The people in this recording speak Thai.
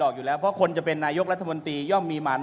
คุณกายคุณกาย